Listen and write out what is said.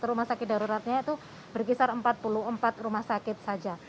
yang rumah sakit rujukan atau rumah sakit daruratnya itu berkisar empat puluh empat rumah sakit saja